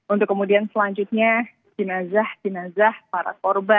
untuk kemudian selanjutnya jenazah jenazah para korban